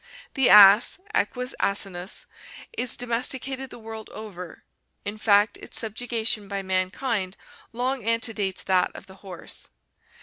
The ass, Equus asinus, is domesticated the world over, in fact its subjugation by mankind long antedates that of the horse.